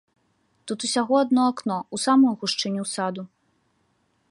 Тут усяго адно акно ў самую гушчыню саду.